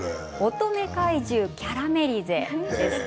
「乙女怪獣キャラメリゼ」です。